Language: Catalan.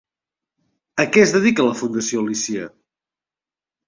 A què es dedica la Fundació Alícia?